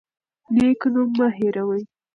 نیک نوم مه هیروئ.